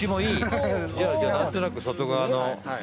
じゃあ何となく外側の。